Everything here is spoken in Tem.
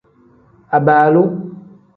Abaalu.